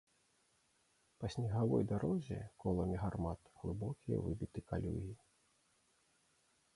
Па снегавой дарозе коламі гармат глыбокія выбіты калюгі.